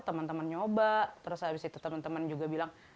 temen temen nyoba terus abis itu temen temen juga bilang